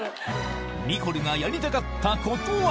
ニコルがやりたかったことは？